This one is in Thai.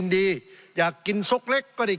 สงบจนจะตายหมดแล้วครับ